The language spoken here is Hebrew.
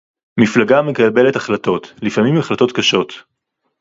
מפלגה מקבלת החלטות, לפעמים החלטות קשות